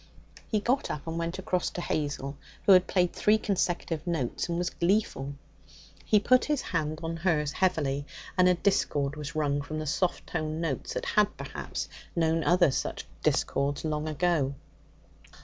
He got up and went across to Hazel, who had played three consecutive notes, and was gleeful. He put his hand on hers heavily, and a discord was wrung from the soft toned notes that had perhaps known other such discords long ago.